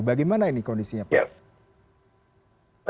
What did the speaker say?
bagaimana ini kondisinya pak